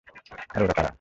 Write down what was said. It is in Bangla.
আরে, ওরা কারা?